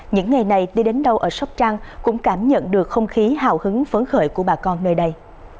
những ngày này đi đến đâu ở sóc trăng cũng cảm nhận được không khí hào hứng phấn khởi của bà con nơi đây